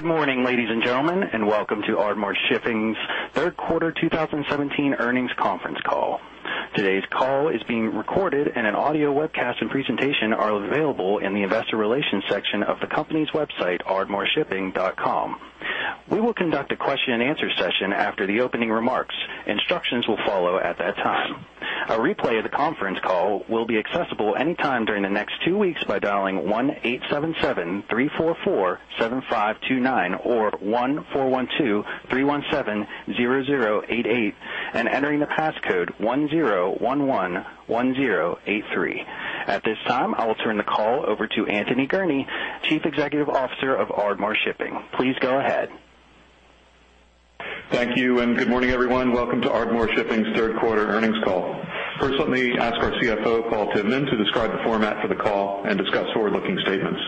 Good morning, ladies and gentlemen, and welcome to Ardmore Shipping's third quarter 2017 earnings conference call. Today's call is being recorded, and an audio webcast and presentation are available in the Investor Relations section of the company's website, ardmoreshipping.com. We will conduct a question-and-answer session after the opening remarks. Instructions will follow at that time. A replay of the conference call will be accessible anytime during the next two weeks by dialing 1-877-344-7529 or 1-412-317-0088 and entering the passcode 10111083. At this time, I will turn the call over to Anthony Gurnee, Chief Executive Officer of Ardmore Shipping. Please go ahead. Thank you, and good morning, everyone. Welcome to Ardmore Shipping's third quarter earnings call. First, let me ask our CFO, Paul Tivnan, to describe the format for the call and discuss forward-looking statements.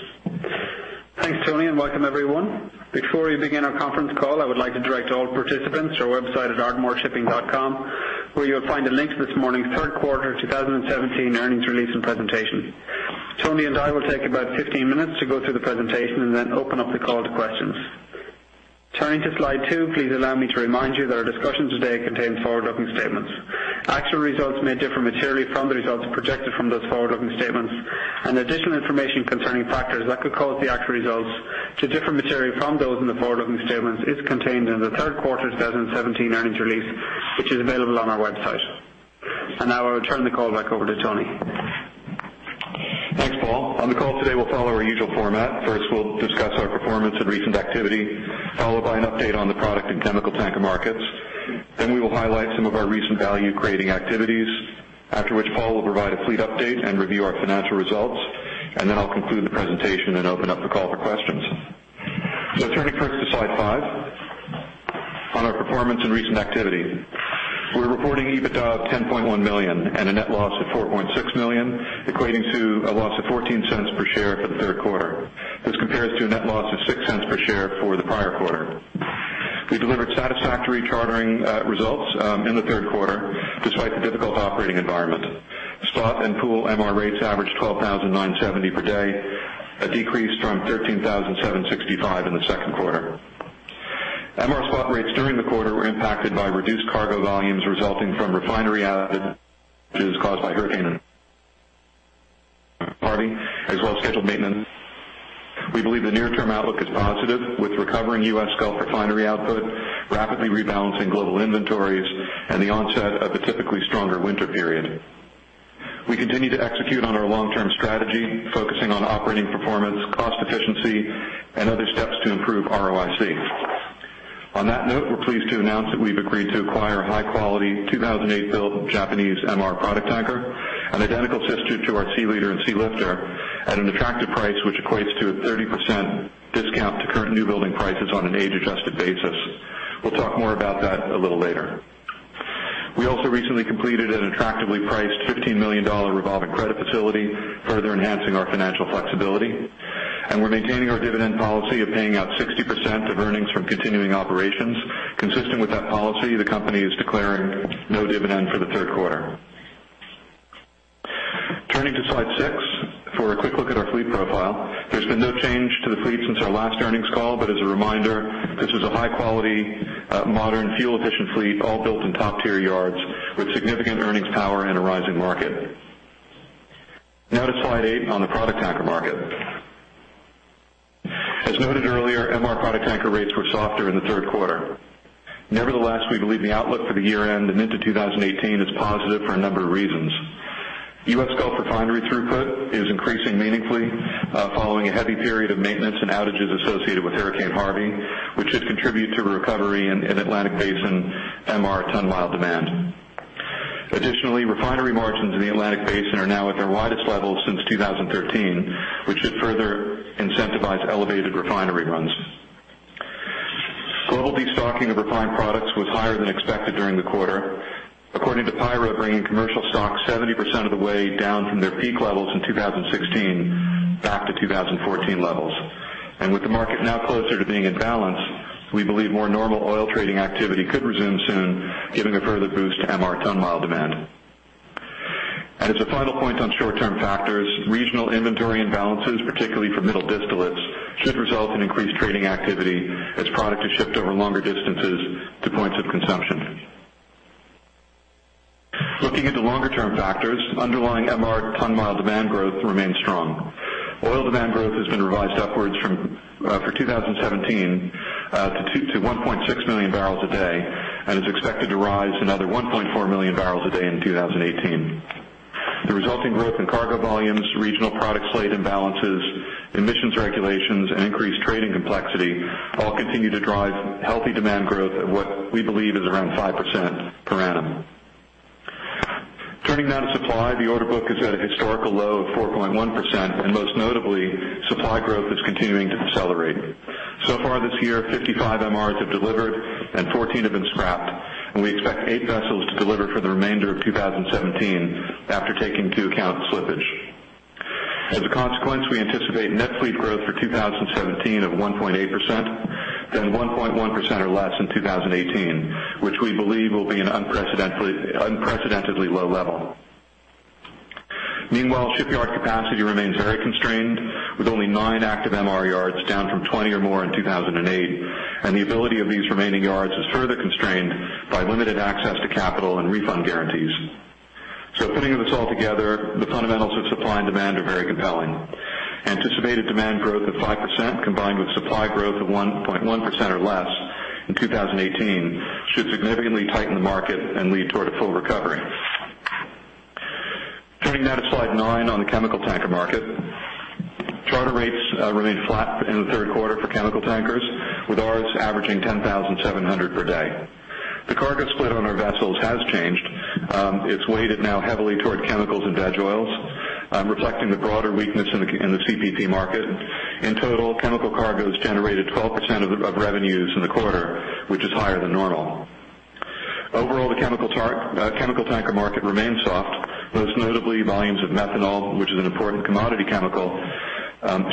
Thanks, Tony, and welcome, everyone. Before we begin our conference call, I would like to direct all participants to our website at ardmoreshipping.com, where you'll find a link to this morning's third quarter 2017 earnings release and presentation. Tony and I will take about 15 minutes to go through the presentation and then open up the call to questions. Turning to slide two, please allow me to remind you that our discussion today contains forward-looking statements. Actual results may differ materially from the results projected from those forward-looking statements, and additional information concerning factors that could cause the actual results to differ materially from those in the forward-looking statements is contained in the third quarter 2017 earnings release, which is available on our website. Now I will turn the call back over to Tony. Thanks, Paul. On the call today, we'll follow our usual format. First, we'll discuss our performance and recent activity, followed by an update on the product and chemical tanker markets. Then we will highlight some of our recent value-creating activities, after which Paul will provide a fleet update and review our financial results, and then I'll conclude the presentation and open up the call for questions. So turning first to slide five, on our performance and recent activity. We're reporting EBITDA of $10.1 million and a net loss of $4.6 million, equating to a loss of $0.14 per share for the third quarter. This compares to a net loss of $0.06 per share for the prior quarter. We delivered satisfactory chartering results in the third quarter, despite the difficult operating environment. Spot and pool MR rates averaged $12,970 per day, a decrease from $13,765 in the second quarter. MR spot rates during the quarter were impacted by reduced cargo volumes resulting from refinery outages caused by Hurricane Harvey, as well as scheduled maintenance. We believe the near-term outlook is positive, with recovering U.S. Gulf refinery output, rapidly rebalancing global inventories, and the onset of a typically stronger winter period. We continue to execute on our long-term strategy, focusing on operating performance, cost efficiency, and other steps to improve ROIC. On that note, we're pleased to announce that we've agreed to acquire a high-quality, 2008-built Japanese MR product tanker, an identical sister to our Sealeader and Sealifter, at an attractive price, which equates to a 30% discount to current new building prices on an age-adjusted basis. We'll talk more about that a little later. We also recently completed an attractively priced $15 million revolving credit facility, further enhancing our financial flexibility, and we're maintaining our dividend policy of paying out 60% of earnings from continuing operations. Consistent with that policy, the company is declaring no dividend for the third quarter. Turning to slide six for a quick look at our fleet profile. There's been no change to the fleet since our last earnings call, but as a reminder, this is a high-quality, modern, fuel-efficient fleet, all built in top-tier yards with significant earnings power and a rising market. Now to slide eight on the product tanker market. As noted earlier, MR product tanker rates were softer in the third quarter. Nevertheless, we believe the outlook for the year-end and into 2018 is positive for a number of reasons. U.S. Gulf refinery throughput is increasing meaningfully following a heavy period of maintenance and outages associated with Hurricane Harvey, which should contribute to a recovery in Atlantic Basin MR ton-mile demand. Additionally, refinery margins in the Atlantic Basin are now at their widest levels since 2013, which should further incentivize elevated refinery runs. Global destocking of refined products was higher than expected during the quarter, according to PIRA, bringing commercial stocks 70% of the way down from their peak levels in 2016 back to 2014 levels. And with the market now closer to being in balance, we believe more normal oil trading activity could resume soon, giving a further boost to MR ton-mile demand. And as a final point on short-term factors, regional inventory imbalances, particularly for middle distillates, should result in increased trading activity as product is shipped over longer distances to points of consumption. Looking at the longer-term factors, underlying MR ton-mile demand growth remains strong. Oil demand growth has been revised upwards for 2017 to 1.6 million barrels a day and is expected to rise another 1.4 million barrels a day in 2018. The resulting growth in cargo volumes, regional product slate imbalances, emissions regulations, and increased trading complexity all continue to drive healthy demand growth at what we believe is around 5% per annum. Turning now to supply. The order book is at a historical low of 4.1%, and most notably, supply growth is continuing to accelerate. So far this year, 55 MRs have delivered and 14 have been scrapped, and we expect eight vessels to deliver for the remainder of 2017 after taking into account slippage. As a consequence, we anticipate net fleet growth for 2017 of 1.8%, then 1.1% or less in 2018, which we believe will be an unprecedentedly low level. Meanwhile, shipyard capacity remains very constrained, with only nine active MR yards, down from 20 or more in 2008. The ability of these remaining yards is further constrained by limited access to capital and refund guarantees. Putting this all together, the fundamentals of supply and demand are very compelling. Anticipated demand growth of 5%, combined with supply growth of 1.1% or less in 2018, should significantly tighten the market and lead toward a full recovery. Turning now to slide nine on the chemical tanker market. Charter rates remained flat in the third quarter for chemical tankers, with ours averaging 10,700 per day. The cargo split on our vessels has changed. It's weighted now heavily toward chemicals and veg oils, reflecting the broader weakness in the CPP market. In total, chemical cargoes generated 12% of revenues in the quarter, which is higher than normal. Overall, the chemical tanker market remains soft. Most notably, volumes of methanol, which is an important commodity chemical,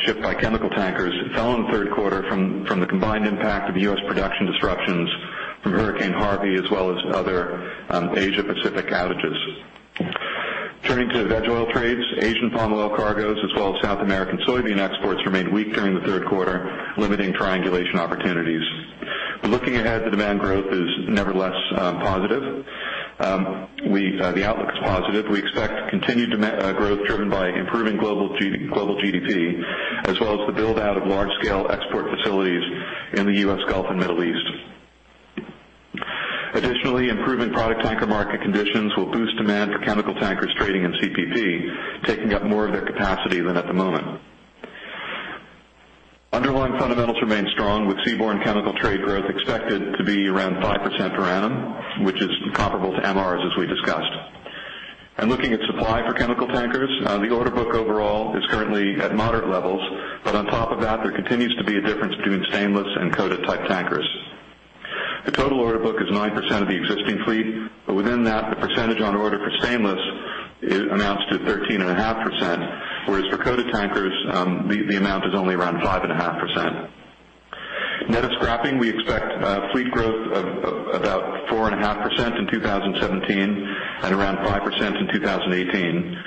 shipped by chemical tankers, fell in the third quarter from the combined impact of the U.S. production disruptions from Hurricane Harvey, as well as other Asia Pacific outages. Turning to veg oil trades, Asian palm oil cargoes, as well as South American soybean exports, remained weak during the third quarter, limiting triangulation opportunities. But looking ahead, the demand growth is nevertheless positive. The outlook is positive. We expect continued demand growth driven by improving global GDP, as well as the build-out of large-scale export facilities in the U.S. Gulf and Middle East. Additionally, improving product tanker market conditions will boost demand for chemical tankers trading in CPP, taking up more of their capacity than at the moment. Underlying fundamentals remain strong, with seaborne chemical trade growth expected to be around 5% per annum, which is comparable to MRs, as we discussed. Looking at supply for chemical tankers, the order book overall is currently at moderate levels, but on top of that, there continues to be a difference between stainless and coated-type tankers. The total order book is 9% of the existing fleet, but within that, the percentage on order for stainless is announced at 13.5%, whereas for coated tankers, the amount is only around 5.5%. Net of scrapping, we expect fleet growth of about 4.5% in 2017, and around 5% in 2018,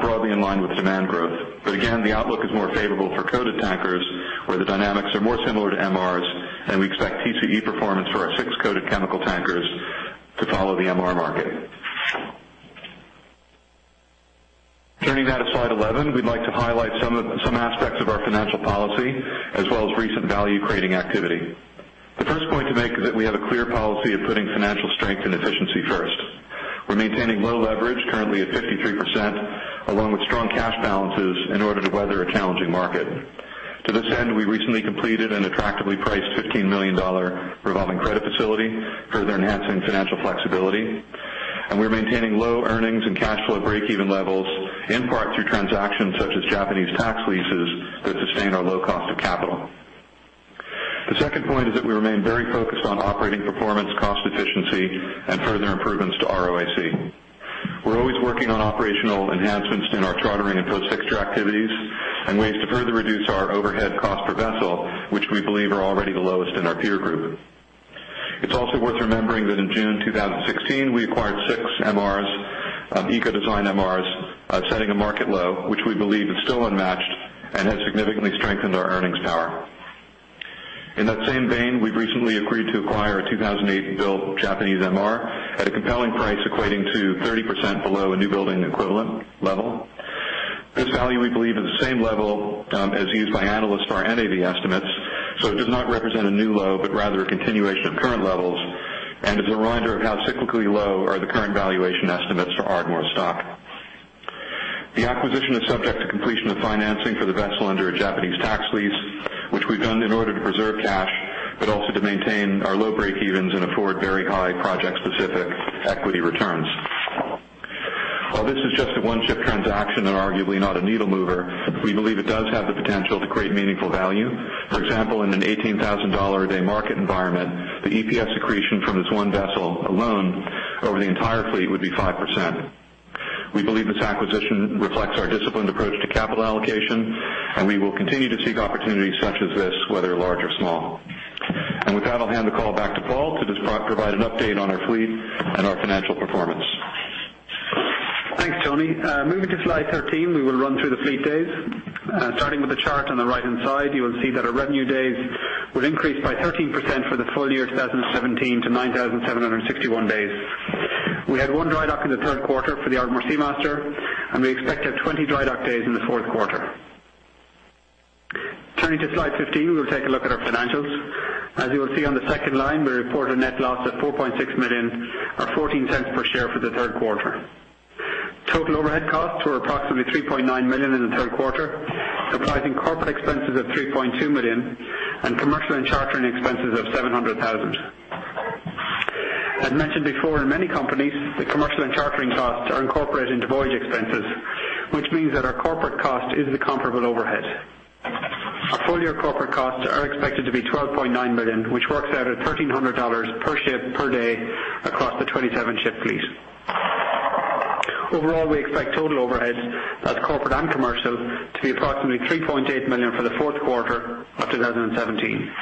broadly in line with demand growth. But again, the outlook is more favorable for coated tankers, where the dynamics are more similar to MRs, and we expect TCE performance for our six coated chemical tankers to follow the MR market. Turning now to slide 11, we'd like to highlight some aspects of our financial policy, as well as recent value-creating activity. The first point to make is that we have a clear policy of putting financial strength and efficiency first. We're maintaining low leverage, currently at 53%, along with strong cash balances in order to weather a challenging market. To this end, we recently completed an attractively priced $15 million revolving credit facility, further enhancing financial flexibility. We're maintaining low earnings and cash flow breakeven levels, in part through transactions such as Japanese tax leases that sustain our low cost of capital. The second point is that we remain very focused on operating performance, cost efficiency, and further improvements to ROIC. We're always working on operational enhancements in our chartering and post-fixture activities, and ways to further reduce our overhead cost per vessel, which we believe are already the lowest in our peer group. It's also worth remembering that in June 2016, we acquired six MRs, eco-designed MRs, setting a market low, which we believe is still unmatched and has significantly strengthened our earnings power. In that same vein, we've recently agreed to acquire a 2008-built Japanese MR at a compelling price equating to 30% below a newbuilding equivalent level. This value, we believe, is the same level, as used by analysts for our NAV estimates, so it does not represent a new low, but rather a continuation of current levels, and is a reminder of how cyclically low are the current valuation estimates for Ardmore stock. The acquisition is subject to completion of financing for the vessel under a Japanese tax lease, which we've done in order to preserve cash, but also to maintain our low breakevens and afford very high project-specific equity returns. While this is just a one-ship transaction and arguably not a needle mover, we believe it does have the potential to create meaningful value. For example, in an $18,000-a-day market environment, the EPS accretion from this one vessel alone over the entire fleet would be 5%. We believe this acquisition reflects our disciplined approach to capital allocation, and we will continue to seek opportunities such as this, whether large or small. And with that, I'll hand the call back to Paul to just provide an update on our fleet and our financial performance. Thanks, Tony. Moving to slide 13, we will run through the fleet days. Starting with the chart on the right-hand side, you will see that our revenue days will increase by 13% for the full year 2017 to 9,761 days. We had one dry dock in the third quarter for the Ardmore Seamaster, and we expect to have 20 dry dock days in the fourth quarter. Turning to slide 15, we'll take a look at our financials. As you will see on the second line, we report a net loss of $4.6 million or $0.14 per share for the third quarter. Total overhead costs were approximately $3.9 million in the third quarter, comprising corporate expenses of $3.2 million, and commercial and chartering expenses of $700,000. As mentioned before, in many companies, the commercial and chartering costs are incorporated into voyage expenses, which means that our corporate cost is the comparable overhead. Our full-year corporate costs are expected to be $12.9 million, which works out at $1,300 per ship per day across the 27-ship fleet. Overall, we expect total overheads, as corporate and commercial, to be approximately $3.8 million for the fourth quarter of 2017.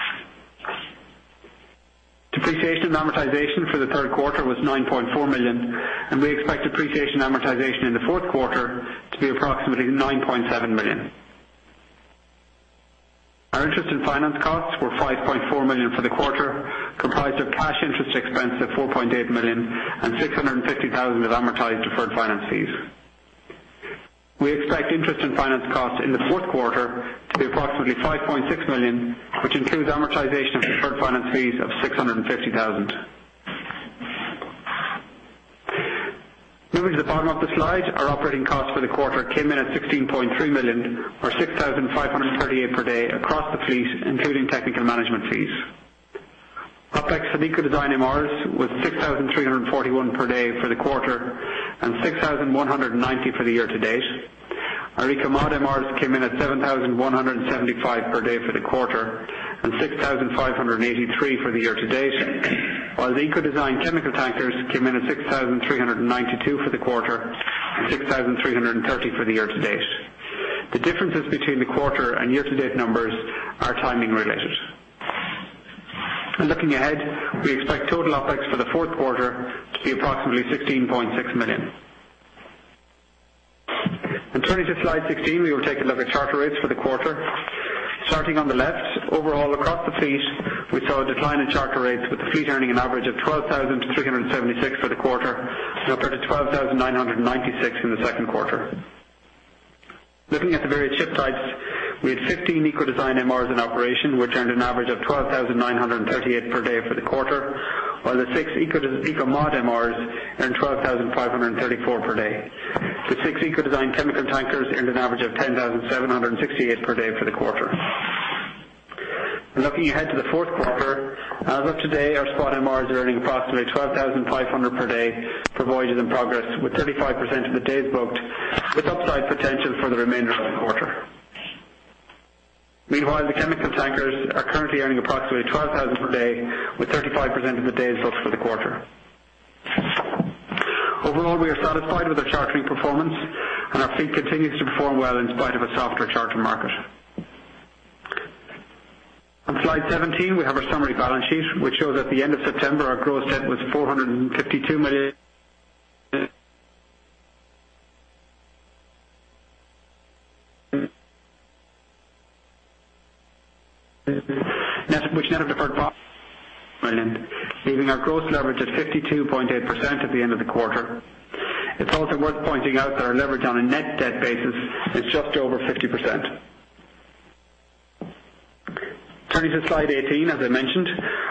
Depreciation and amortization for the third quarter was $9.4 million, and we expect depreciation amortization in the fourth quarter to be approximately $9.7 million. Our interest and finance costs were $5.4 million for the quarter, comprised of cash interest expense of $4.8 million and $650,000 of amortized deferred finance fees. We expect interest and finance costs in the fourth quarter to be approximately $5.6 million, which includes amortization of deferred finance fees of $650,000. Moving to the bottom of the slide, our operating costs for the quarter came in at $16.3 million, or 6,538 per day across the fleet, including technical management fees. OpEx for Eco-design MRs was 6,341 per day for the quarter and 6,190 for the year-to-date. Our Eco-mod MRs came in at 7,175 per day for the quarter and 6,583 for the year-to-date, while the Eco-design chemical tankers came in at 6,392 for the quarter and 6,330 for the year-to-date. The differences between the quarter and year-to-date numbers are timing related. Looking ahead, we expect total OpEx for the fourth quarter to be approximately $16.6 million. Turning to Slide 16, we will take a look at charter rates for the quarter. Starting on the left, overall, across the fleet, we saw a decline in charter rates, with the fleet earning an average of $12,376 for the quarter, up to $12,996 in the second quarter. Looking at the various ship types, we had 15 Eco-design MRs in operation, which earned an average of $12,938 per day for the quarter, while the 6 Eco-mod MRs earned $12,534 per day. The six Eco-design chemical tankers earned an average of $10,768 per day for the quarter. Looking ahead to the fourth quarter, as of today, our spot MRs are earning approximately $12,500 per day for voyages in progress, with 35% of the days booked, with upside potential for the remainder of the quarter. Meanwhile, the chemical tankers are currently earning approximately $12,000 per day, with 35% of the days booked for the quarter. Overall, we are satisfied with our chartering performance, and our fleet continues to perform well in spite of a softer charter market. On Slide 17, we have our summary balance sheet, which shows at the end of September, our gross debt was $452 million. Leaving our gross leverage at 52.8% at the end of the quarter. It's also worth pointing out that our leverage on a net debt basis is just over 50%. Turning to Slide 18, as I mentioned,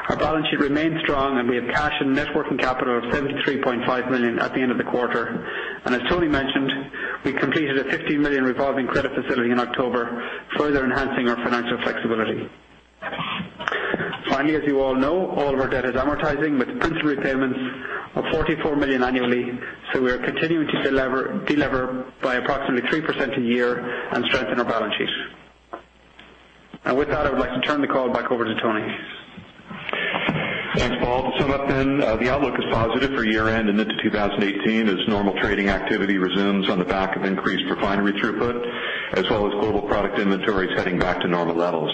our balance sheet remains strong, and we have cash and net working capital of $73.5 million at the end of the quarter. And as Tony mentioned, we completed a $15 million revolving credit facility in October, further enhancing our financial flexibility. Finally, as you all know, all of our debt is amortizing, with principal repayments of $44 million annually. We are continuing to delever by approximately 3% a year and strengthen our balance sheet. With that, I would like to turn the call back over to Tony. Thanks, Paul. To sum up, then, the outlook is positive for year-end and into 2018 as normal trading activity resumes on the back of increased refinery throughput, as well as global product inventories heading back to normal levels.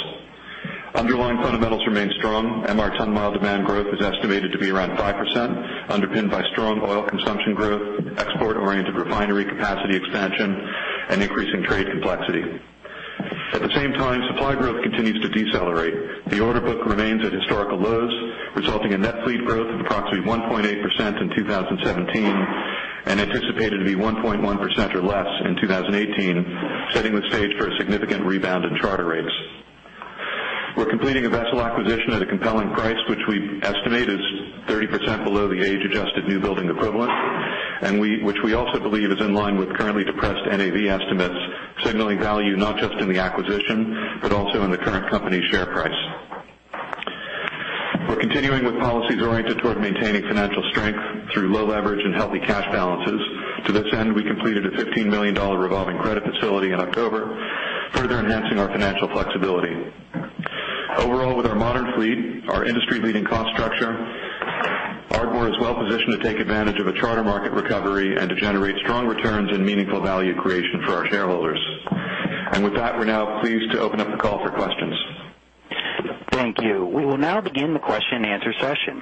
Underlying fundamentals remain strong. MR ton-mile demand growth is estimated to be around 5%, underpinned by strong oil consumption growth, export-oriented refinery capacity expansion, and increasing trade complexity. At the same time, supply growth continues to decelerate. The order book remains at historical lows, resulting in net fleet growth of approximately 1.8% in 2017, and anticipated to be 1.1% or less in 2018, setting the stage for a significant rebound in charter rates. We're completing a vessel acquisition at a compelling price, which we estimate is 30% below the age-adjusted new building equivalent, and which we also believe is in line with currently depressed NAV estimates, signaling value not just in the acquisition, but also in the current company share price. We're continuing with policies oriented toward maintaining financial strength through low leverage and healthy cash balances. To this end, we completed a $15 million revolving credit facility in October, further enhancing our financial flexibility. Overall, with our modern fleet, our industry-leading cost structure, Ardmore is well positioned to take advantage of a charter market recovery and to generate strong returns and meaningful value creation for our shareholders. And with that, we're now pleased to open up the call for questions. Thank you. We will now begin the question and answer session.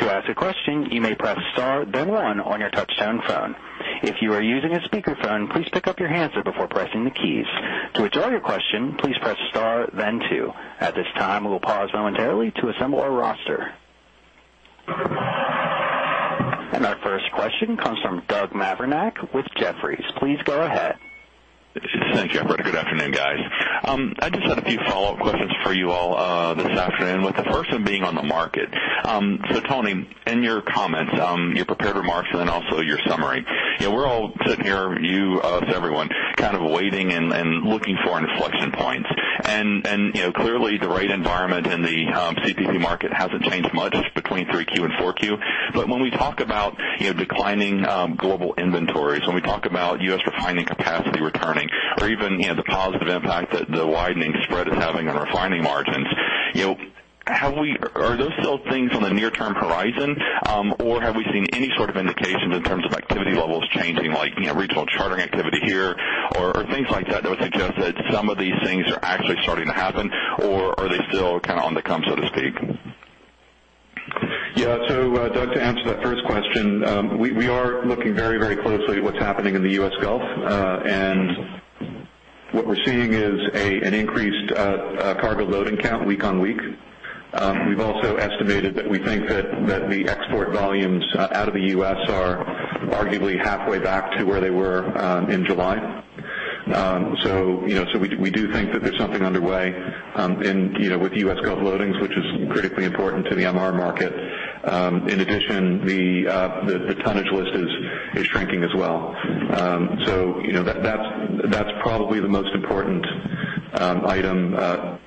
To ask a question, you may press star, then one on your touchtone phone. If you are using a speakerphone, please pick up your handset before pressing the keys. To withdraw your question, please press star then two. At this time, we will pause momentarily to assemble our roster. Our first question comes from Doug Mavrinac with Jefferies. Please go ahead. Thanks, Jeffrey. Good afternoon, guys. I just had a few follow-up questions for you all this afternoon, with the first one being on the market. So, Tony, in your comments, your prepared remarks, and then also your summary, you know, we're all sitting here, you, us, everyone, kind of waiting and looking for inflection points. And you know, clearly the rate environment in the CPP market hasn't changed much between 3Q and 4Q. But when we talk about, you know, declining global inventories, when we talk about U.S. refining capacity returning or even, you know, the positive impact that the widening spread is having on refining margins, you know, are those still things on the near-term horizon? or have we seen any sort of indications in terms of activity levels changing, like, you know, regional chartering activity here?...some of these things are actually starting to happen, or are they still kind of on the come, so to speak? Yeah. So, Doug, to answer that first question, we are looking very, very closely at what's happening in the U.S. Gulf. And what we're seeing is an increased cargo loading count week on week. We've also estimated that we think that the export volumes out of the US are arguably halfway back to where they were in July. So, you know, we do think that there's something underway in, you know, with the U.S. Gulf loadings, which is critically important to the MR market. In addition, the tonnage list is shrinking as well. So, you know, that's probably the most important item,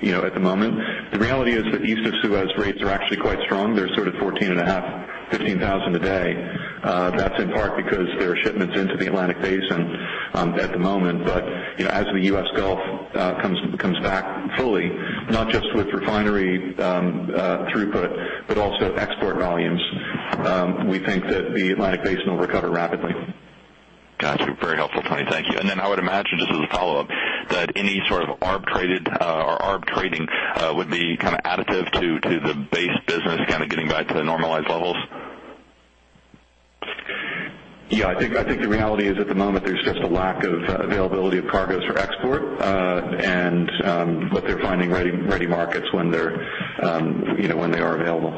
you know, at the moment. The reality is that East of Suez rates are actually quite strong. They're sort of $14,500-$15,000 a day. That's in part because there are shipments into the Atlantic Basin at the moment. But, you know, as the U.S. Gulf comes back fully, not just with refinery throughput, but also export volumes, we think that the Atlantic Basin will recover rapidly. Got you. Very helpful, Tony. Thank you. And then I would imagine, just as a follow-up, that any sort of arb traded or arb trading would be kind of additive to the base business, kind of getting back to the normalized levels? Yeah, I think, I think the reality is, at the moment, there's just a lack of availability of cargoes for export, and, but they're finding ready, ready markets when they're, you know, when they are available.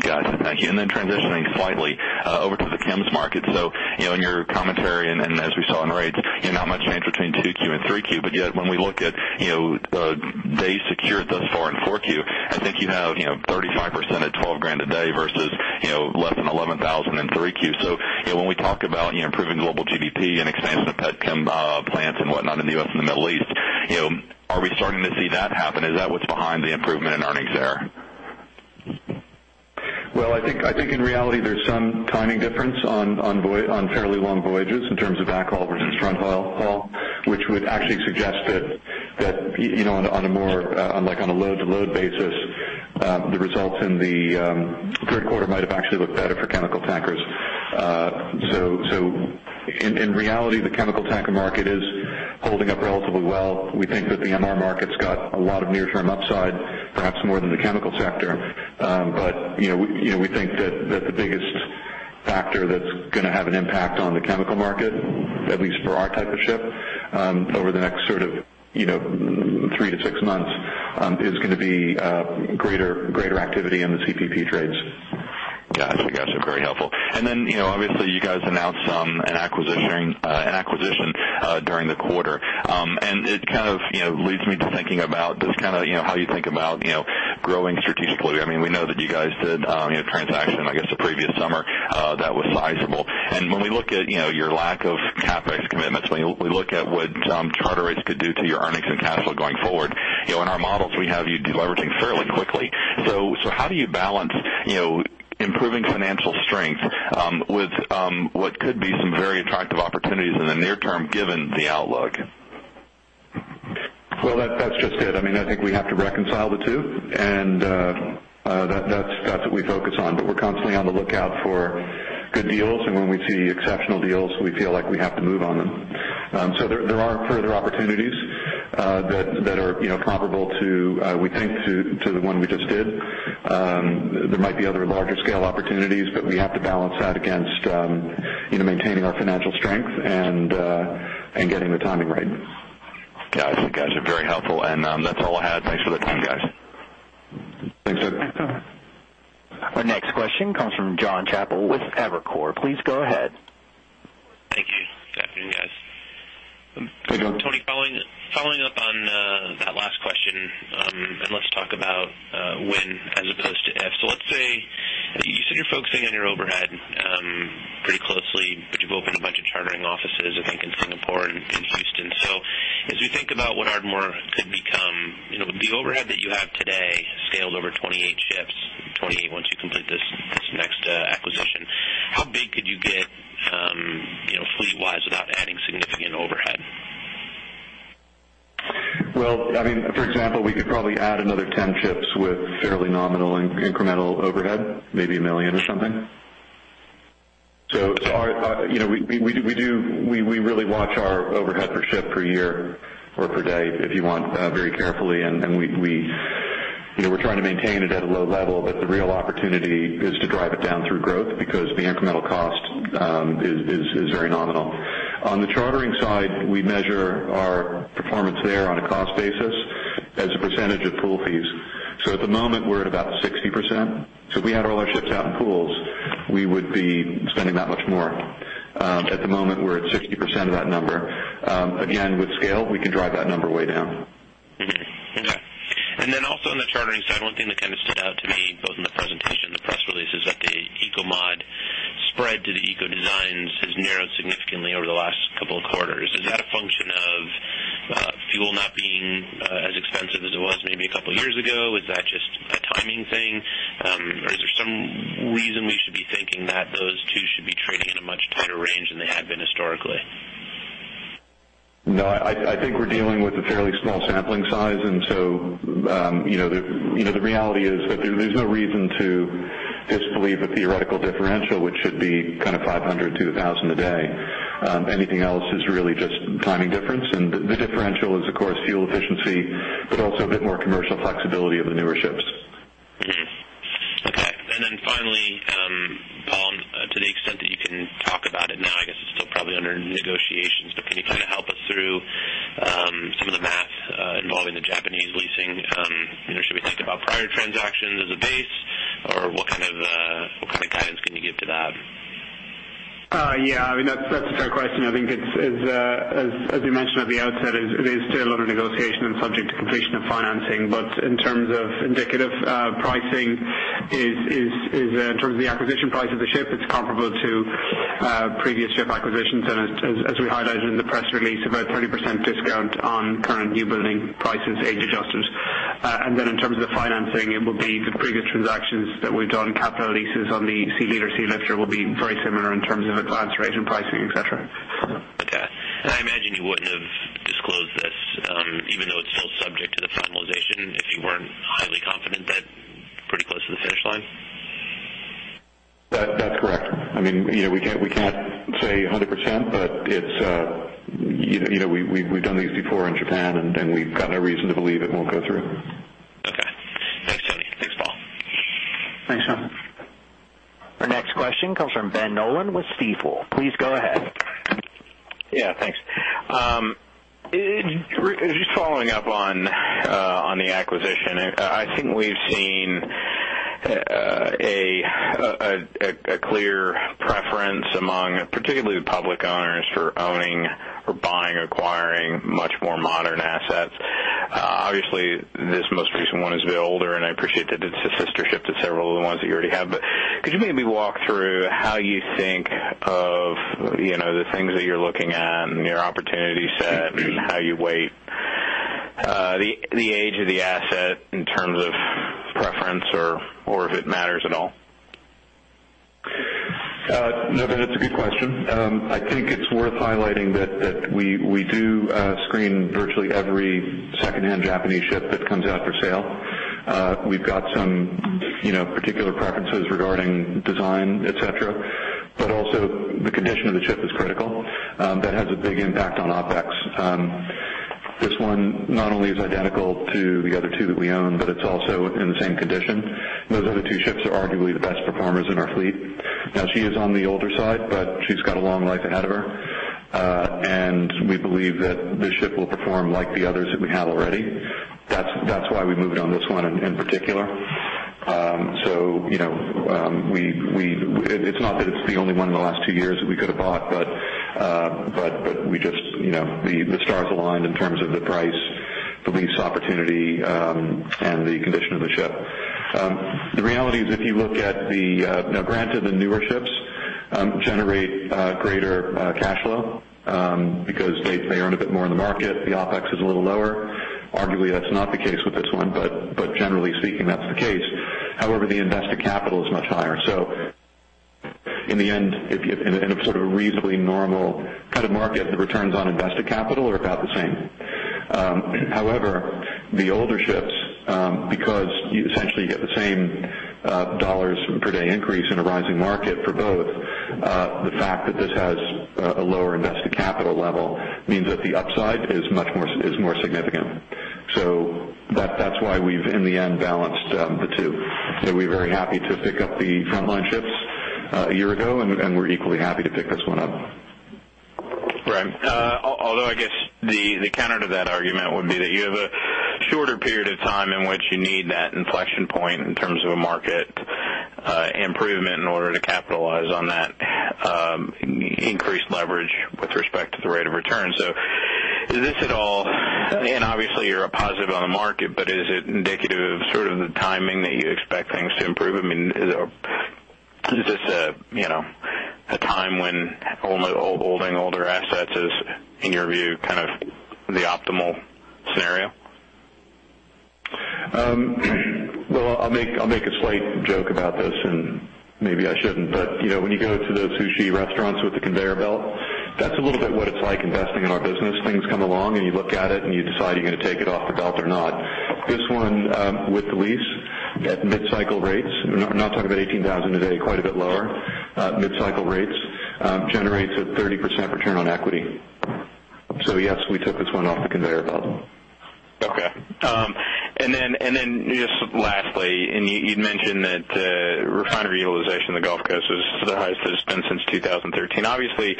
Got it. Thank you. Then transitioning slightly over to the chems market. So, you know, in your commentary, and as we saw in rates, you know, not much change between 2Q and 3Q. But yet, when we look at, you know, days secured thus far in 4Q, I think you have, you know, 35% at $12,000 a day versus, you know, less than $11,000 in 3Q. So, you know, when we talk about, you know, improving global GDP and expansion of petchem plants and whatnot in the US and the Middle East, you know, are we starting to see that happen? Is that what's behind the improvement in earnings there? Well, I think, I think in reality, there's some timing difference on, on fairly long voyages in terms of backhaul versus fronthaul, which would actually suggest that, that you know, on a more, on, like, on a load-to-load basis, the results in the third quarter might have actually looked better for chemical tankers. So, so in reality, the chemical tanker market is holding up relatively well. We think that the MR market's got a lot of near-term upside, perhaps more than the chemical sector. But, you know, we, you know, we think that the biggest factor that's going to have an impact on the chemical market, at least for our type of ship, over the next sort of, you know, three to six months, is going to be greater, greater activity in the CPP trades. Got it. Got you. Very helpful. And then, you know, obviously, you guys announced an acquisition during the quarter. And it kind of, you know, leads me to thinking about just kind of, you know, how you think about, you know, growing strategically. I mean, we know that you guys did a transaction, I guess, the previous summer that was sizable. And when we look at, you know, your lack of CapEx commitments, when we look at what charter rates could do to your earnings and cash flow going forward, you know, in our models, we have you deleveraging fairly quickly. So how do you balance, you know, improving financial strength with what could be some very attractive opportunities in the near term, given the outlook? Well, that's just it. I mean, I think we have to reconcile the two, and that's what we focus on. But we're constantly on the lookout for good deals, and when we see exceptional deals, we feel like we have to move on them. So there are further opportunities that are, you know, comparable to, we think, to the one we just did. There might be other larger-scale opportunities, but we have to balance that against, you know, maintaining our financial strength and getting the timing right. Got it. Got you. Very helpful. That's all I had. Thanks for the time, guys. Thanks, Doug. Our next question comes from Jonathan Chappell with Evercore. Please go ahead. Thank you. Good afternoon, guys. Good afternoon. Tony, following up on that last question, and let's talk about when, as opposed to if. So let's say... You said you're focusing on your overhead pretty closely, but you've opened a bunch of chartering offices, I think, in Singapore and in Houston. So as we think about what Ardmore could become, you know, the overhead that you have today, scaled over 28 ships, 28, once you complete this, this next acquisition, how big could you get, you know, fleet-wise, without adding significant overhead? Well, I mean, for example, we could probably add another 10 ships with fairly nominal incremental overhead, maybe $1 million or something. So our, you know, we do really watch our overhead per ship per year or per day, if you want, very carefully. And we, you know, we're trying to maintain it at a low level, but the real opportunity is to drive it down through growth because the incremental cost is very nominal. On the chartering side, we measure our performance there on a cost basis as a percentage of pool fees. So at the moment, we're at about 60%. So if we had all our ships out in pools, we would be spending that much more. At the moment, we're at 60% of that number. Again, with scale, we can drive that number way down. Mm-hmm. Okay. And then also on the chartering side, one thing that kind of stood out to me, both in the presentation, the press release, is that the Eco-mod spread to the Eco designs has narrowed significantly over the last couple of quarters. Is that a function of fuel not being as expensive as it was maybe a couple of years ago? Is that just a timing thing? Or is there some reason we should be thinking that those two should be trading in a much tighter range than they have been historically? No, I, I think we're dealing with a fairly small sampling size, and so, you know, the, you know, the reality is that there's no reason to disbelieve a theoretical differential, which should be kind of $500-$1,000 a day. Anything else is really just timing difference, and the, the differential is, of course, fuel efficiency, but also a bit more commercial flexibility of the newer ships.... Okay, and then finally, Paul, to the extent that you can talk about it now, I guess it's still probably under negotiations, but can you kind of help us through some of the math involving the Japanese leasing? Should we think about prior transactions as a base, or what kind of guidance can you give to that? Yeah, I mean, that's, that's a fair question. I think it's, as, as you mentioned at the outset, it is still under negotiation and subject to completion of financing. But in terms of indicative pricing in terms of the acquisition price of the ship, it's comparable to previous ship acquisitions. And as we highlighted in the press release, about 20% discount on current newbuilding prices, age adjusted. And then in terms of the financing, it will be the previous transactions that we've done. Capital leases on the Sealeader, Sealifter will be very similar in terms of advance rate and pricing, et cetera. Okay. I imagine you wouldn't have disclosed this, even though it's still subject to the finalization, if you weren't highly confident that pretty close to the finish line? That, that's correct. I mean, you know, we can't, we can't say 100%, but it's, you know, we, we've done these before in Japan, and, and we've got no reason to believe it won't go through. Okay. Thanks, Tony. Thanks, Paul. Thanks, Jonathan. Our next question comes from Ben Nolan with Stifel. Please go ahead. Yeah, thanks. Just following up on the acquisition, I think we've seen a clear preference among particularly the public owners for owning or buying or acquiring much more modern assets. Obviously, this most recent one is a bit older, and I appreciate that it's a sister ship to several of the ones that you already have. But could you maybe walk through how you think of, you know, the things that you're looking at and your opportunity set and how you weigh the age of the asset in terms of preference or if it matters at all? No, that's a good question. I think it's worth highlighting that we do screen virtually every secondhand Japanese ship that comes out for sale. We've got some, you know, particular preferences regarding design, et cetera, but also the condition of the ship is critical. That has a big impact on OpEx. This one not only is identical to the other two that we own, but it's also in the same condition. Those other two ships are arguably the best performers in our fleet. Now, she is on the older side, but she's got a long life ahead of her, and we believe that this ship will perform like the others that we have already. That's why we moved on this one in particular. So, you know, it's not that it's the only one in the last two years that we could have bought, but we just, you know, the stars aligned in terms of the price, the lease opportunity, and the condition of the ship. The reality is, if you look at the... Now, granted, the newer ships generate greater cash flow because they earn a bit more in the market. The OpEx is a little lower. Arguably, that's not the case with this one, but generally speaking, that's the case. However, the invested capital is much higher. So in the end, if you- in a sort of reasonably normal kind of market, the returns on invested capital are about the same. However, the older ships, because you essentially get the same dollars per day increase in a rising market for both, the fact that this has a lower invested capital level means that the upside is much more, is more significant. So that's why we've, in the end, balanced the two. So we're very happy to pick up the Frontline ships a year ago, and we're equally happy to pick this one up. Right. Although I guess the counter to that argument would be that you have a shorter period of time in which you need that inflection point in terms of a market improvement in order to capitalize on that increased leverage with respect to the rate of return. So is this at all, and obviously you're a positive on the market, but is it indicative of sort of the timing that you expect things to improve? I mean, is this a, you know, a time when only holding older assets is, in your view, kind of the optimal scenario? Well, I'll make a slight joke about this, and maybe I shouldn't, but, you know, when you go to those sushi restaurants with the conveyor belt, that's a little bit what it's like investing in our business. Things come along, and you look at it, and you decide you're going to take it off the belt or not. This one, with the lease at mid-cycle rates, we're not talking about $18,000 a day, quite a bit lower. Mid-cycle rates generates a 30% return on equity. So yes, we took this one off the conveyor belt. Okay. And then, and then just lastly, and you, you'd mentioned that, refinery utilization in the Gulf Coast is the highest it's been since 2013. Obviously,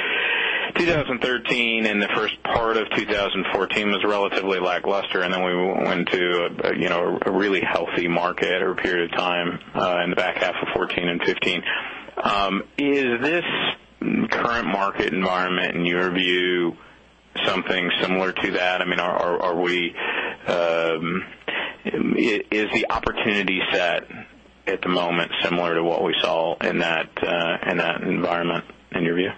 2013, and the first part of 2014 was relatively lackluster, and then we went to a, you know, a really healthy market or a period of time, in the back half of 2014 and 2015. Is this current market environment, in your view, something similar to that? I mean, are we... Is the opportunity set at the moment similar to what we saw in that, in that environment, in your view? Yeah.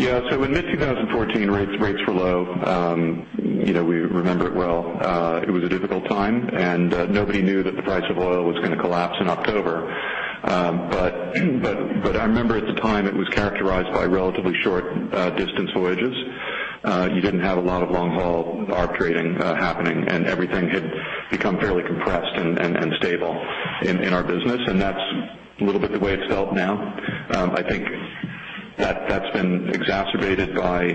So in mid-2014, rates, rates were low. You know, we remember it well. It was a difficult time, and nobody knew that the price of oil was going to collapse in October. But, but, but I remember at the time, it was characterized by relatively short distance voyages. You didn't have a lot of long-haul arb trading happening, and everything had become fairly compressed and, and, and stable in, in our business, and that's a little bit the way it's felt now. I think that that's been exacerbated by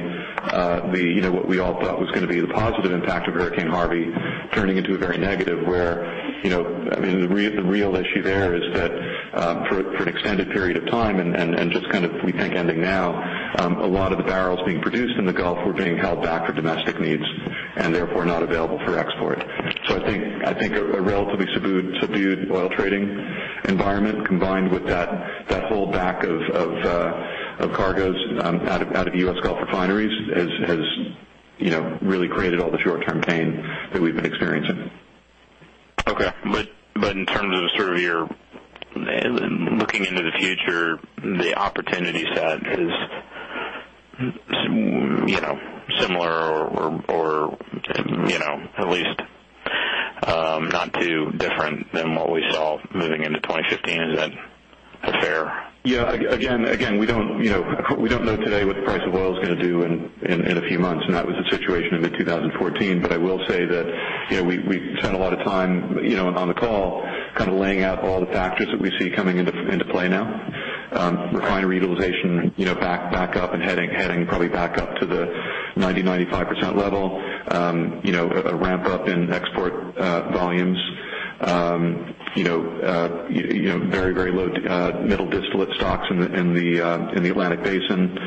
the, you know, what we all thought was going to be the positive impact of Hurricane Harvey, turning into a very negative where, you know, I mean, the real issue there is that, for an extended period of time and just kind of, we think, ending now, a lot of the barrels being produced in the Gulf were being held back for domestic needs and therefore not available for export. So I think a relatively subdued oil trading environment, combined with that whole backlog of cargoes out of U.S. Gulf refineries, has, you know, really created all the short-term pain that we've been experiencing. Okay. But in terms of sort of your looking into the future, the opportunity set is, you know, similar or, you know, at least not too different than what we saw moving into 2015. Is that fair? Yeah. Again, again, we don't, you know, we don't know today what the price of oil is going to do in a few months, and that was the situation in mid-2014. But I will say that, you know, we spent a lot of time, you know, on the call, kind of laying out all the factors that we see coming into play now. Refinery utilization, you know, back up and heading probably back up to the 95% level. You know, a ramp up in export volumes. You know, very, very low middle distillate stocks in the Atlantic basin.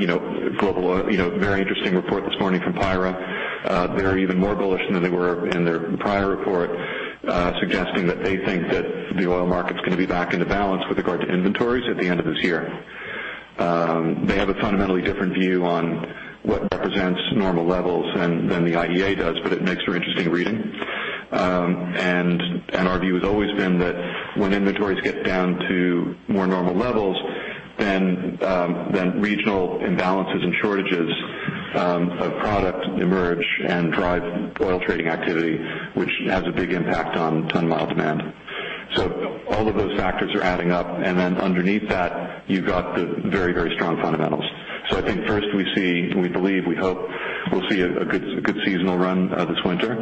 You know, global oil, you know, very interesting report this morning from PIRA. They're even more bullish than they were in their prior report, suggesting that they think that the oil market is going to be back into balance with regard to inventories at the end of this year. They have a fundamentally different view on what represents normal levels than the IEA does, but it makes for interesting reading. Our view has always been that when inventories get down to more normal levels, then regional imbalances and shortages of product emerge and drive oil trading activity, which has a big impact on ton-mile demand. All of those factors are adding up, and then underneath that, you've got the very, very strong fundamentals. So I think first we see, we believe, we hope we'll see a good, good seasonal run this winter,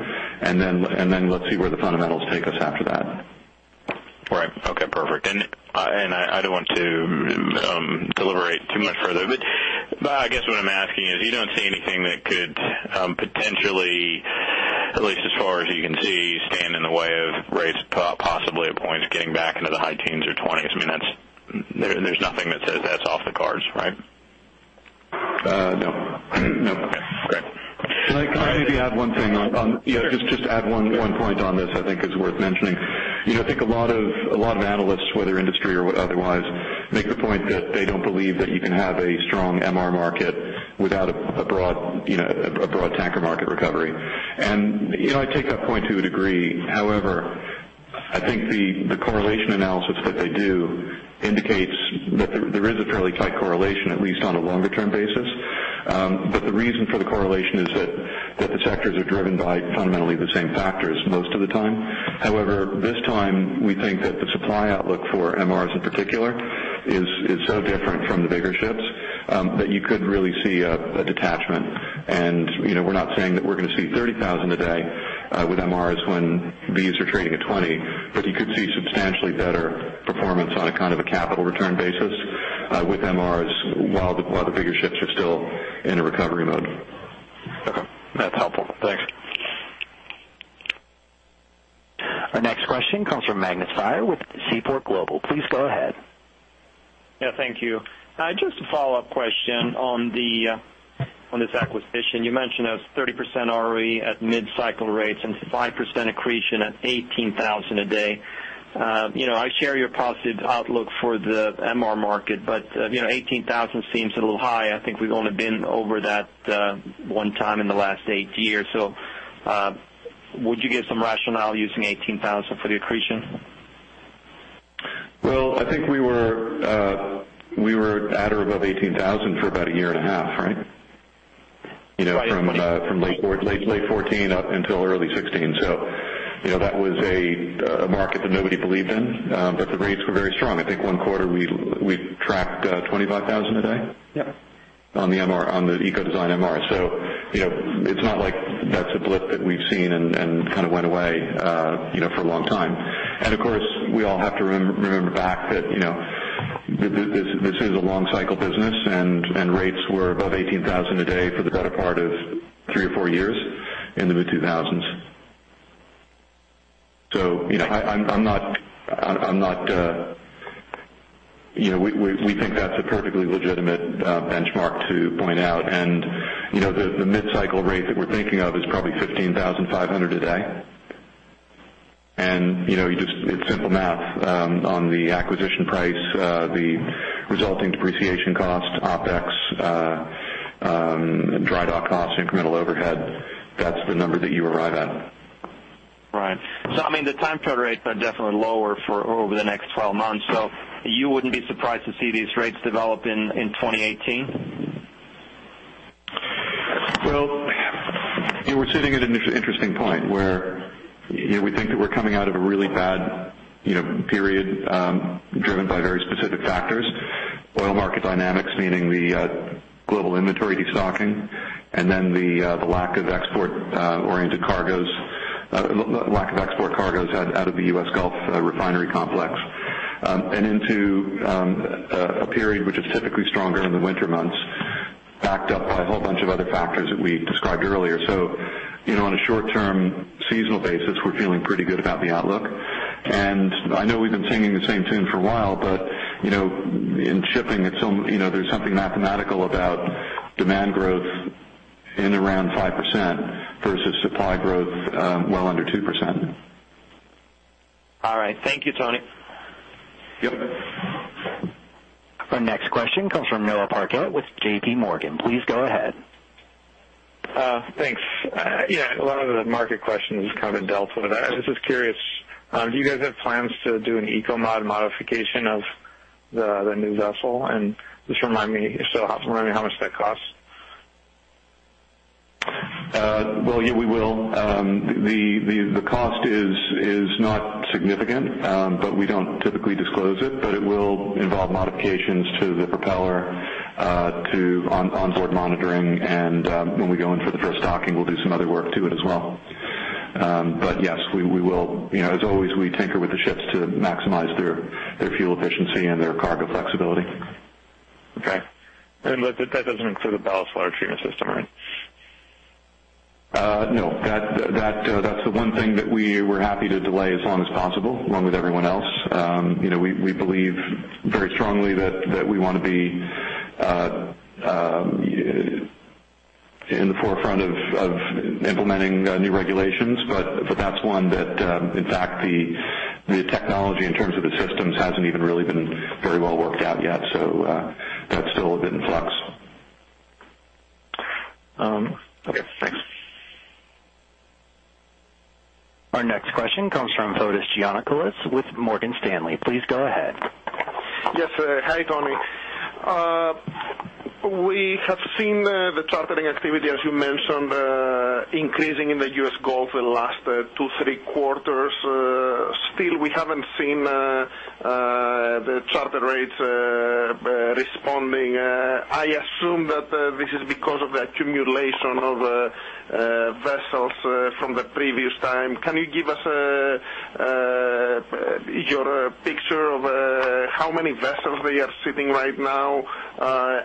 and then, and then let's see where the fundamentals take us after that. Right. Okay, perfect. And, and I don't want to deliberate too much further, but I guess what I'm asking is, you don't see anything that could potentially, at least as far as you can see, stand in the way of rates, possibly a point of getting back into the high teens or twenties. I mean, that's... There, there's nothing that says that's off the cards, right? No. No. Okay, great. May, can I maybe add one thing on- Sure. Yeah, just to add one point on this I think is worth mentioning. You know, I think a lot of analysts, whether industry or otherwise, make the point that they don't believe that you can have a strong MR market without a broad, you know, a broad tanker market recovery. And, you know, I take that point to a degree. However, I think the correlation analysis that they do indicates that there is a fairly tight correlation, at least on a longer-term basis. But the reason for the correlation is that the sectors are driven by fundamentally the same factors most of the time. However, this time, we think that the supply outlook for MRs in particular is so different from the bigger ships, that you could really see a detachment. You know, we're not saying that we're going to see $30,000 a day with MRs when these are trading at $20,000, but you could see substantially better performance on a kind of a capital return basis with MRs, while the bigger ships are still in a recovery mode. Okay. That's helpful. Thanks. Our next question comes from Magnus Fyhr with Seaport Global. Please go ahead. Yeah, thank you. Just a follow-up question on this acquisition. You mentioned a 30% ROE at mid-cycle rates and 5% accretion at $18,000 a day. You know, I share your positive outlook for the MR market, but, you know, $18,000 seems a little high. I think we've only been over that one time in the last 8 years. So, would you give some rationale using $18,000 for the accretion? Well, I think we were at or above $18,000 for about a year and a half, right? Right. You know, from late 2014 up until early 2016. So, you know, that was a market that nobody believed in, but the rates were very strong. I think one quarter, we tracked $25,000 a day? Yeah. On the MR on the Eco-design MR. So, you know, it's not like that's a blip that we've seen and, and kind of went away, you know, for a long time. And of course, we all have to remember back that, you know, this, this is a long cycle business, and, and rates were above $18,000 a day for the better part of three or four years in the mid-2000s. So, you know, I, I'm not... You know, we, we think that's a perfectly legitimate benchmark to point out. And, you know, the, the mid-cycle rate that we're thinking of is probably $15,500 a day. And, you know, you just, it's simple math on the acquisition price, the resulting depreciation cost, OpEx, dry dock costs, incremental overhead, that's the number that you arrive at. Right. So I mean, the time charter rates are definitely lower for over the next 12 months, so you wouldn't be surprised to see these rates develop in, in 2018? Well, we're sitting at an interesting point where, you know, we think that we're coming out of a really bad, you know, period, driven by very specific factors, oil market dynamics, meaning the global inventory destocking, and then the lack of export-oriented cargoes, lack of export cargoes out of the U.S. Gulf Refinery Complex, and into a period which is typically stronger in the winter months, backed up by a whole bunch of other factors that we described earlier. So, you know, on a short-term seasonal basis, we're feeling pretty good about the outlook. And I know we've been singing the same tune for a while, but, you know, in shipping, it's, you know, there's something mathematical about demand growth in around 5% versus supply growth, well, under 2%. All right. Thank you, Tony. Yep. Our next question comes from Noah Parquette with JP Morgan. Please go ahead. Thanks. Yeah, a lot of the market questions kind of dealt with that. I was just curious, do you guys have plans to do an eco mod modification of the new vessel? And just remind me how much that costs. Well, yeah, we will. The cost is not significant, but we don't typically disclose it. But it will involve modifications to the propeller, to on-board monitoring, and when we go in for the first docking, we'll do some other work to it as well. But yes, we will. You know, as always, we tinker with the ships to maximize their fuel efficiency and their cargo flexibility. Okay. But that doesn't include the ballast water treatment system, right? No, that, that's the one thing that we were happy to delay as long as possible, along with everyone else. You know, we, we believe very strongly that, that we wanna be in the forefront of, of implementing new regulations. But, but that's one that, in fact, the, the technology, in terms of the systems, hasn't even really been very well worked out yet, so, that's still a bit in flux. Okay, thanks. Our next question comes from Fotis Giannakoulis with Morgan Stanley. Please go ahead. Yes, hi, Tony. We have seen the chartering activity, as you mentioned, increasing in the U.S. Gulf the last 2 quarters-3 quarters. Still, we haven't seen the charter rates responding. I assume that this is because of the accumulation of vessels from the previous time. Can you give us your picture of how many vessels they are sitting right now,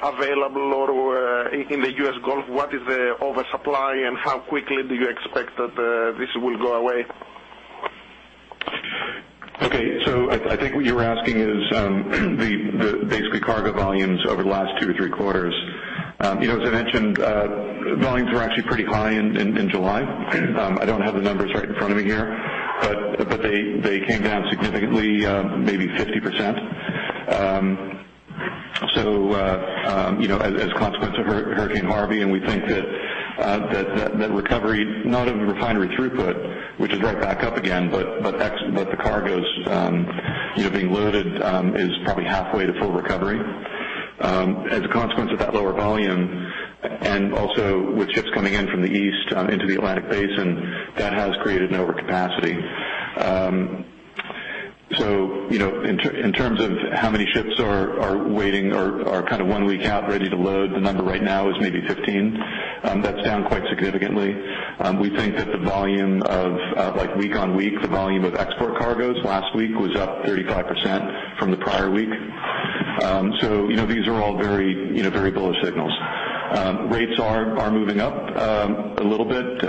available or in the U.S. Gulf? What is the oversupply, and how quickly do you expect that this will go away? Okay. So I think what you were asking is basically cargo volumes over the last two or three quarters. You know, as I mentioned, volumes were actually pretty high in July. I don't have the numbers right in front of me here, but they came down significantly, maybe 50%. So as a consequence of Hurricane Harvey, and we think that recovery, not of refinery throughput, which is right back up again, but the cargoes, you know, being loaded, is probably halfway to full recovery. As a consequence of that lower volume, and also with ships coming in from the east into the Atlantic Basin, that has created an overcapacity. So, you know, in terms of how many ships are waiting or are kind of one week out, ready to load, the number right now is maybe 15. That's down quite significantly. We think that the volume of, like, week on week, the volume of export cargoes last week was up 35% from the prior week. So, you know, these are all very, you know, very bullish signals. Rates are moving up, a little bit,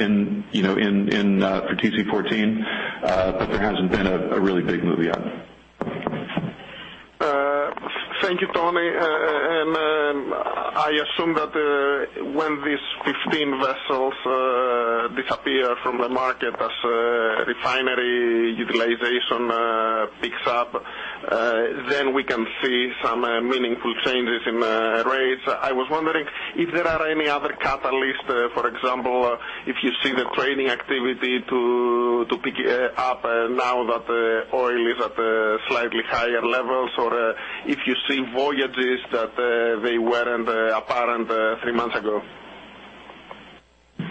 in, you know, in, for TC14, but there hasn't been a really big move yet. Thank you, Tony. And, I assume that, when these 15 vessels disappear from the market as refinery utilization picks up, then we can see some meaningful changes in rates. I was wondering if there are any other catalysts, for example, if you see the trading activity to pick up now that oil is at slightly higher levels, or if you see voyages that weren't apparent three months ago?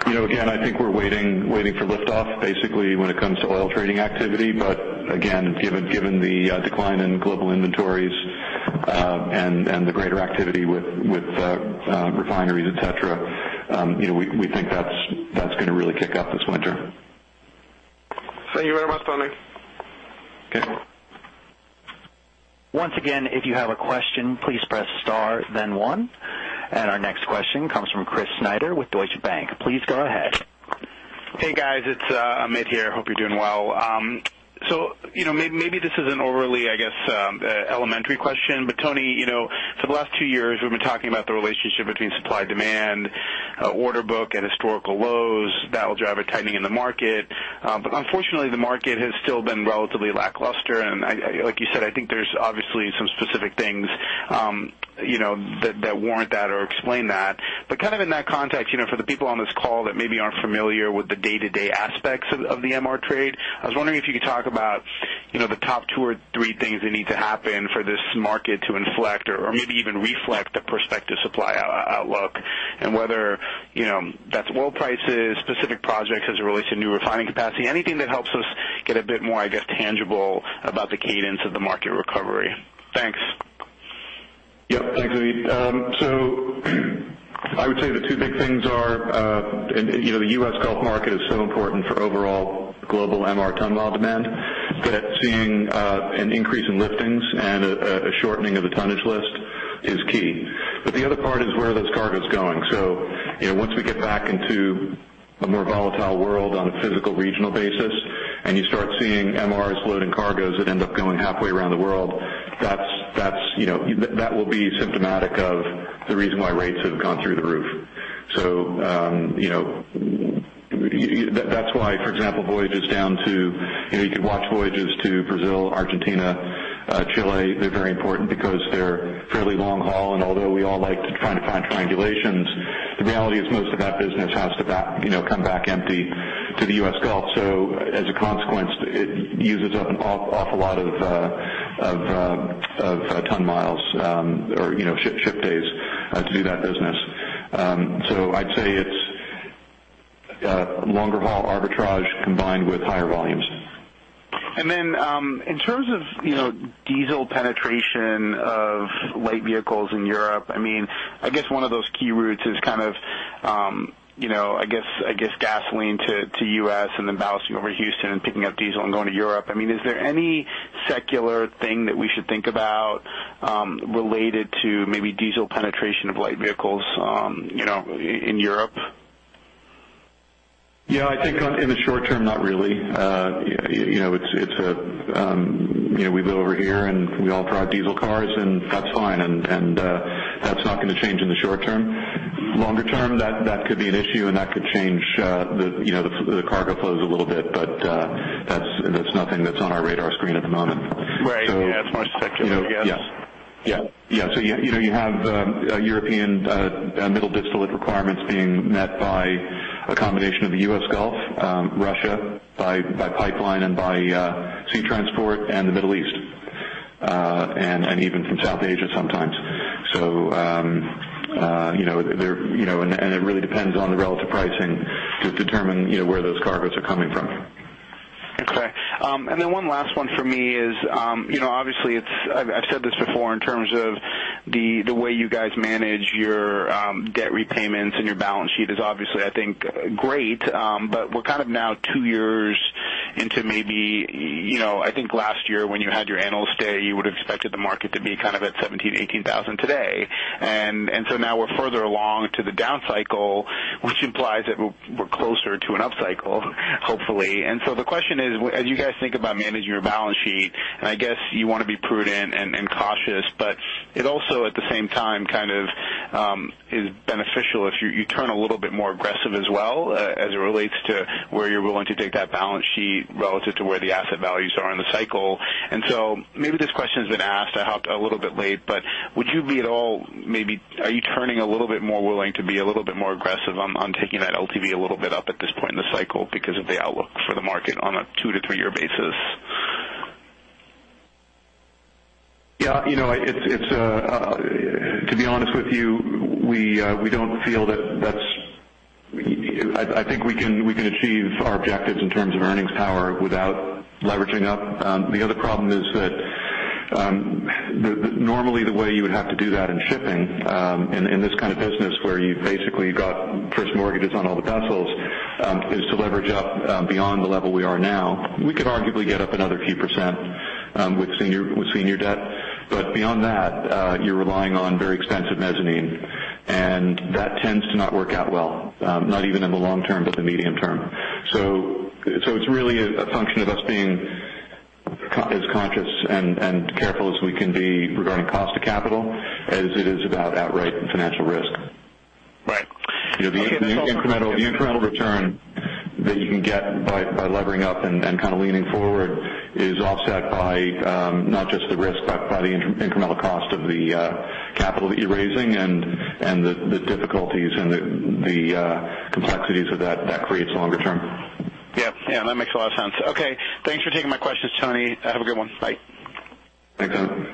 You know, again, I think we're waiting, waiting for liftoff, basically, when it comes to oil trading activity. But again, given, given the decline in global inventories, and, and the greater activity with, with refineries, et cetera, you know, we, we think that's, that's gonna really kick up this winter. Thank you very much, Tony. Okay. Once again, if you have a question, please press star then one. Our next question comes from Chris Snyder with Deutsche Bank. Please go ahead. Hey, guys, it's Amit here. Hope you're doing well. So, you know, maybe this is an overly, I guess, elementary question, but Tony, you know, for the last two years, we've been talking about the relationship between supply, demand, order book and historical lows that will drive a tightening in the market. But unfortunately, the market has still been relatively lackluster. Like you said, I think there's obviously some specific things, you know, that warrant that or explain that. But kind of in that context, you know, for the people on this call that maybe aren't familiar with the day-to-day aspects of the MR trade, I was wondering if you could talk about, you know, the top two or three things that need to happen for this market to inflect or maybe even reflect the prospective supply outlook, and whether, you know, that's oil prices, specific projects as it relates to new refining capacity, anything that helps us get a bit more, I guess, tangible about the cadence of the market recovery. Thanks.... Yep, thanks, Amit. So I would say the two big things are, and, you know, the U.S. Gulf market is so important for overall global MR ton-mile demand, that seeing an increase in liftings and a shortening of the tonnage list is key. But the other part is where those cargo is going. So, you know, once we get back into a more volatile world on a physical regional basis, and you start seeing MRs loading cargoes that end up going halfway around the world, that's, that's, you know, that will be symptomatic of the reason why rates have gone through the roof. So, you know, that, that's why, for example, voyages down to, you know, you could watch voyages to Brazil, Argentina, Chile, they're very important because they're fairly long haul. And although we all like to try to find triangulations, the reality is most of that business has to back, you know, come back empty to the U.S. Gulf. So as a consequence, it uses up an awful lot of ton-miles, or, you know, ship days, to do that business. So I'd say it's longer haul arbitrage combined with higher volumes. And then, in terms of, you know, diesel penetration of light vehicles in Europe, I mean, I guess one of those key routes is kind of, you know, I guess, I guess gasoline to, to U.S. and then balancing over Houston and picking up diesel and going to Europe. I mean, is there any secular thing that we should think about, related to maybe diesel penetration of light vehicles, you know, in Europe? Yeah, I think on, in the short term, not really. You know, it's a, you know, we live over here, and we all drive diesel cars, and that's fine, and that's not going to change in the short term. Longer term, that could be an issue, and that could change you know, the cargo flows a little bit, but that's nothing that's on our radar screen at the moment. Right. So- Yeah, as much secular, I guess. Yeah. Yeah. Yeah, so you, you know, you have European middle distillate requirements being met by a combination of the U.S. Gulf, Russia, by pipeline and by sea transport and the Middle East, and even from South Asia sometimes. So, you know, there, you know, and it really depends on the relative pricing to determine, you know, where those cargoes are coming from. Okay. And then one last one for me is, you know, obviously, it's... I've said this before in terms of the way you guys manage your debt repayments and your balance sheet is obviously, I think, great. But we're kind of now two years into maybe, you know, I think last year, when you had your analyst day, you would have expected the market to be kind of at $17,000-$18,000 today. And so now we're further along to the down cycle, which implies that we're closer to an upcycle, hopefully. So the question is, as you guys think about managing your balance sheet, and I guess you want to be prudent and cautious, but it also, at the same time, kind of is beneficial if you turn a little bit more aggressive as well, as it relates to where you're willing to take that balance sheet relative to where the asset values are in the cycle. Maybe this question has been asked, I hopped a little bit late, but would you be at all, maybe are you turning a little bit more willing to be a little bit more aggressive on taking that LTV a little bit up at this point in the cycle because of the outlook for the market on a two year to three year basis? Yeah, you know, it's to be honest with you, we don't feel that that's... I think we can achieve our objectives in terms of earnings power without leveraging up. The other problem is that, normally, the way you would have to do that in shipping, in this kind of business where you basically got first mortgages on all the vessels, is to leverage up, beyond the level we are now. We could arguably get up another few percent, with senior debt, but beyond that, you're relying on very expensive mezzanine, and that tends to not work out well, not even in the long term, but the medium term. So, it's really a function of us being as conscious and careful as we can be regarding cost of capital as it is about outright financial risk. Right. You know, the incremental return that you can get by levering up and kind of leaning forward is offset by, not just the risk, but by the incremental cost of the capital that you're raising and the complexities of that that creates longer term. Yep. Yeah, that makes a lot of sense. Okay, thanks for taking my questions, Tony. Have a good one. Bye. Thanks, Tony.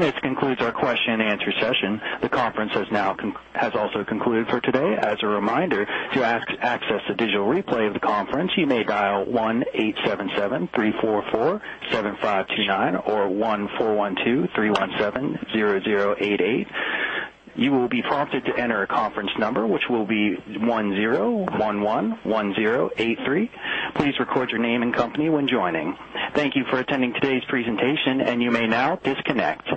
This concludes our question and answer session. The conference has now has also concluded for today. As a reminder, to access the digital replay of the conference, you may dial 1-877-344-7529 or 1-412-317-0088. You will be prompted to enter a conference number, which will be 10111083. Please record your name and company when joining. Thank you for attending today's presentation, and you may now disconnect.